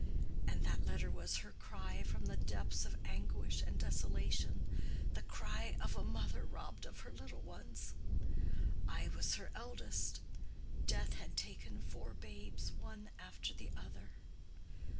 And that letter was her cry from the depths of anguish and desolation—the cry of a mother robbed of her little ones. I was her eldest. Death had taken four babes one after the other.